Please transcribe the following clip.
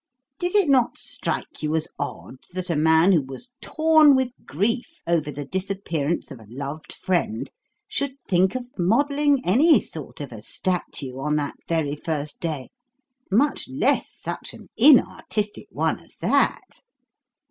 Did it not strike you as odd that a man who was torn with grief over the disappearance of a loved friend should think of modelling any sort of a statue on that very first day, much less such an inartistic one as that?